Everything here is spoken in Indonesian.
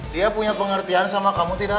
dia punya pengertian sama kamu tidak